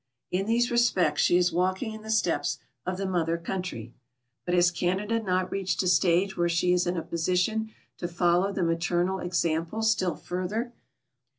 In these respects she is walking in the steps of the mother coun try. But has Canada not reached a stage when she is in a posi tion to follow the maternal example still further?